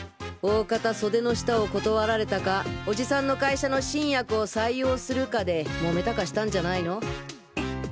大方袖の下を断られたかおじさんの会社の新薬を採用するかで揉めたかしたんじゃないの？